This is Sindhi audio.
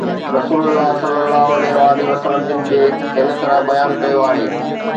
رسول الله ﷺ جن کي هن طرح بيان ڪيو آهي